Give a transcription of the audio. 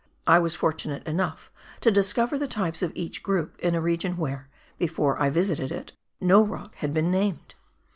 I was fortunate enough to discover the types of each group in a region where, before I visited it, no rock had been named.